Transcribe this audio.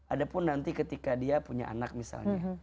adapun nanti ketika dia punya anak misalnya